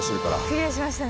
クリアしましたね。